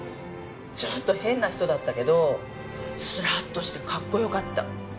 ちょっと変な人だったけどスラッとしてかっこ良かった。